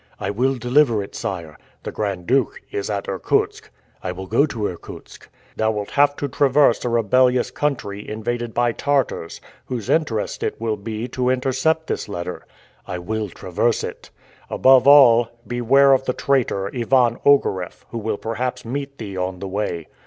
"I will deliver it, sire." "The Grand Duke is at Irkutsk." "I will go to Irkutsk." "Thou wilt have to traverse a rebellious country, invaded by Tartars, whose interest it will be to intercept this letter." "I will traverse it." "Above all, beware of the traitor, Ivan Ogareff, who will perhaps meet thee on the way."